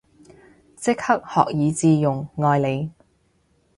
即刻學以致用，愛你